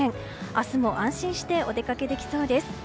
明日も安心してお出かけできそうです。